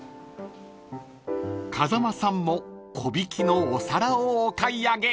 ［風間さんも粉引のお皿をお買い上げ］